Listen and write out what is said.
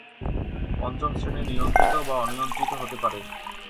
পঞ্চম শ্রেণী নিয়ন্ত্রিত বা অনিয়ন্ত্রিত হতে পারে।